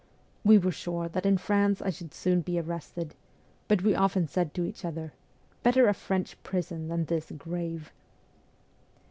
We were sure that in France I should soon be arrested ; but we often said to each other, ' Better a French prison than this grave.'